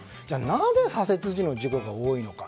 なぜ左折時の事故が多いのか。